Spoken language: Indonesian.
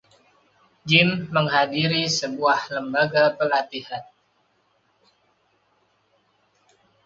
Jim menghadiri sebuah lembaga pelatihan.